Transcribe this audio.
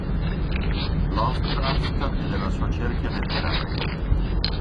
Lovecraft e della sua cerchia letteraria.